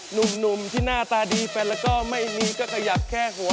หนุ่มที่หน้าตาดีแฟนแล้วก็ไม่มีก็ขยับแค่หัว